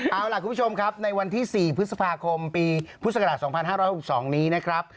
เอาล่ะคุณผู้ชมครับในวันที่๔พฤษภาคมปีพุทธศักราช๒๕๖๒นี้นะครับ